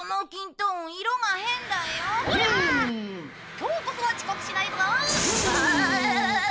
今日こそは遅刻しないぞ！